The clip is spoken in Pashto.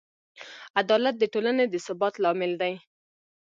عدالت د ټولنې د ثبات لامل دی.